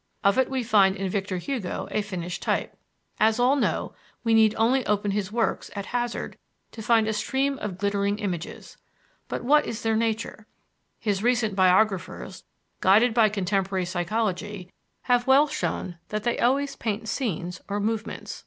Of it we find in Victor Hugo a finished type. As all know, we need only open his works at hazard to find a stream of glittering images. But what is their nature? His recent biographers, guided by contemporary psychology, have well shown that they always paint scenes or movements.